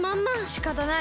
しかたない。